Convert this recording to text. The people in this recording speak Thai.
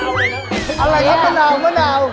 อะไรละครับมะนาว